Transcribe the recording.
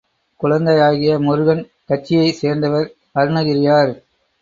குழந்தையாகிய முருகன் கட்சியைச் சேர்ந்தவர் அருணகிரியார்.